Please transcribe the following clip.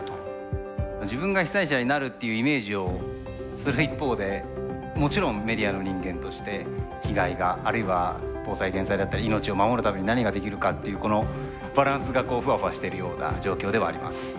自分が被災者になるっていうイメージをする一方でもちろんメディアの人間として被害があるいは防災減災だったり命を守るために何ができるかっていうこのバランスがフワフワしてるような状況ではあります。